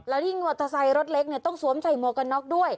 และที่มอเตอร์ไซล์รถเล็กต้องสวมใจโมกน็อคด้วย